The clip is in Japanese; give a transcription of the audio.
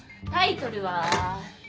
タイトルは。